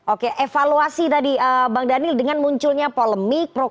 oke evaluasi tadi bang daniel dengan munculnya polemik